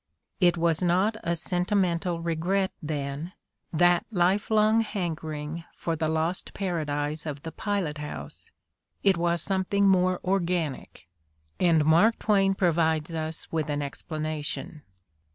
It was not a sentimental regret, then, that lifelong hankering for the lost paradise of the pilot house. It was something more organic, and Mark Twain provides us with an explanation.